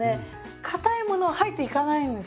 かたいもの入っていかないんです。